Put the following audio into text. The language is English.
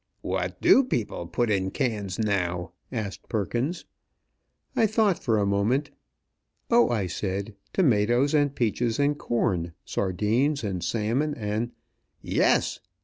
"What do people put in cans now?" asked Perkins. I thought for a moment. "Oh!" I said, "tomatoes and peaches and com, sardines, and salmon, and " "Yes!"